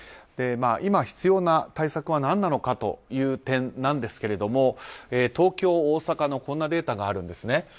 今、必要な対策は何なのかという点なんですが東京、大阪のこんなデータがあるんですね。